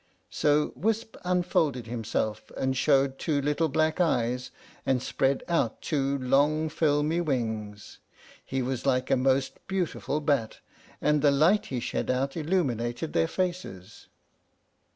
So Wisp unfolded himself, and showed two little black eyes, and spread out two long filmy wings. He was like a most beautiful bat, and the light he shed out illuminated their faces.